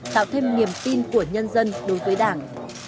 tạo thêm niềm tin của nhân dân đối với đảng